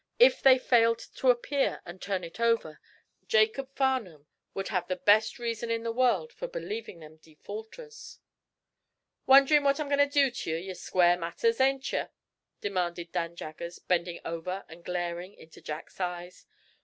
If they failed to appear and to turn it over, Jacob Farnum would have the best reason in the world for believing them defaulters. "Wondering what I'm going to do t'ye, to square matters, ain't ye?" demanded Dan Jaggers, bending over and glaring into Jack's eyes.